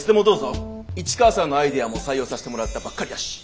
市川さんのアイデアも採用させてもらったばっかりだし。